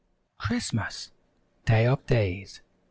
Christmas! Day of days!